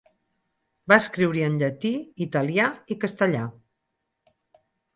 Va escriure en llatí, italià i castellà.